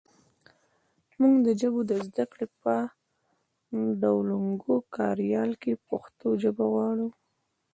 مونږ د ژبو د زده کړې په ډولونګو کاریال کې پښتو ژبه غواړو